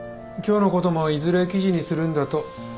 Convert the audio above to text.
今日のこともいずれ記事にするんだと。